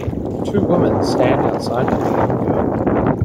Two women stand outside with a young girl.